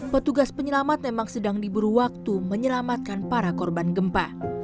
petugas penyelamat memang sedang diburu waktu menyelamatkan para korban gempa